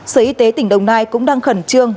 sở y tế tỉnh đồng nai cũng đang khẩn trương